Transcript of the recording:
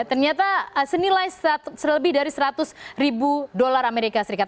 ternyata senilai selebih dari seratus ribu dolar amerika serikat